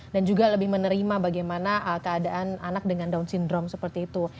dan juga lebih menerima bagaimana keadaan anak dengan down syndrome seperti itu